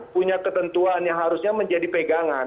punya ketentuan yang harusnya menjadi pegangan